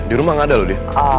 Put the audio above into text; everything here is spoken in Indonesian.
di rumah gak ada loh dia